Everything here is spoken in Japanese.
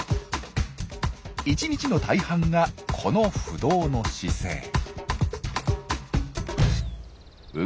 １日の大半がこの不動の姿勢。